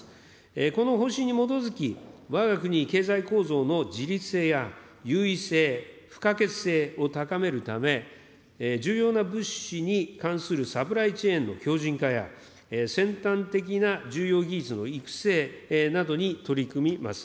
この方針に基づき、わが国経済構造の自立性やゆうい性、不可欠性を高めるため、重要な物資に関するサプライチェーンの強じん化や、先端的な重要技術の育成などに取り組みます。